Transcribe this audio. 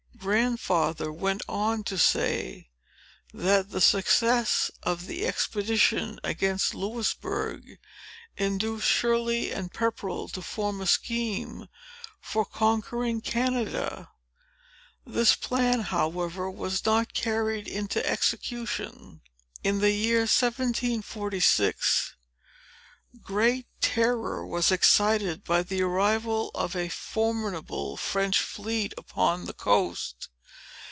Grandfather went on to say, that the success of the expedition against Louisbourg, induced Shirley and Pepperell to form a scheme for conquering Canada. This plan, however, was not carried into execution. In the year 1746, great terror was excited by the arrival of a formidable French fleet upon the coast.